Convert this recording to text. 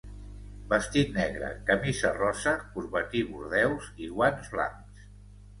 Vestit negre, camisa rosa, corbatí bordeus i guants blancs.